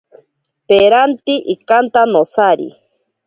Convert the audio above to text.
Peranti ikanta nosari.